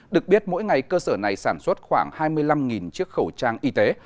được biết mỗi ngày cơ sở này sản xuất khoảng hai mươi năm chiếc khẩu trang y tế